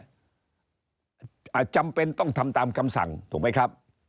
จำเป็นต้องทำตามคำสั่งถูกไหมครับ